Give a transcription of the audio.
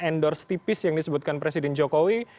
endorse tipis yang disebutkan presiden jokowi